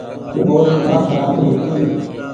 او ري آنک راتي هيتي